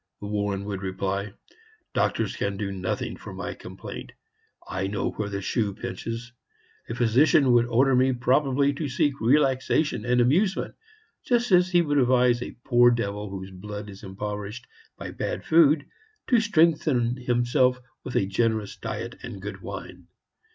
Warren would reply: "Doctors can do nothing for my complaint. I know where the shoe pinches. A physician would order me probably to seek relaxation and amusement, just as he would advise a poor devil whose blood is impoverished by bad food to strengthen himself with a generous diet and good wine.